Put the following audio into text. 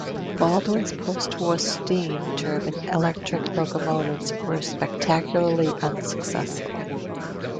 Baldwin's postwar steam turbine-electric locomotives were spectacularly unsuccessful.